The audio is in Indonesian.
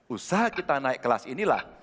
usaha kita naik kelas inilah